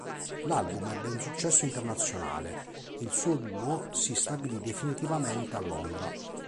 L'album ebbe un successo internazionale e il duo si stabilì definitivamente a Londra.